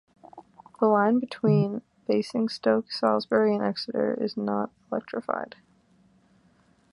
The line between Basingstoke, Salisbury and Exeter is not electrified.